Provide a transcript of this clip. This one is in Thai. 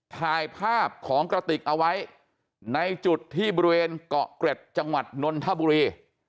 ถ่ายภาพของกระติกเอาไว้ในจุดที่บริเวณเกาะเกร็ดจังหวัดนนทบุรี